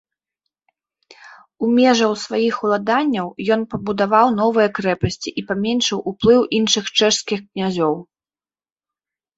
У межаў сваіх уладанняў ён пабудаваў новыя крэпасці і паменшыў уплыў іншых чэшскіх князёў.